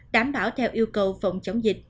đảm bảo theo yêu cầu phòng chống dịch